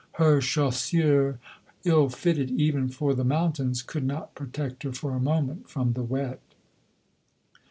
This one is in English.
Her chau8sure, ill fitted even for the moun tains, could not protect her for a moment from the wet.